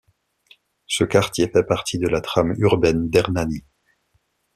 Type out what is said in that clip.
Ce quartier fait partie de la trame urbaine d'Hernani.